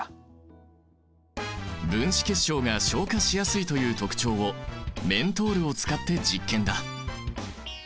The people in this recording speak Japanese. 分子結晶が昇華しやすいという特徴をメントールを使って実験だ。